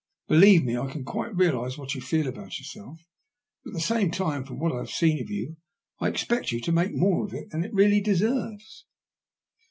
Believe me, I can qnite realize what you feel about yourself. But at the same time, from what I have seen of you, I expect you make more of it than it really deserves."